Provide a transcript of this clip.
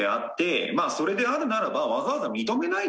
まあそれであるならばわざわざ認めないでですね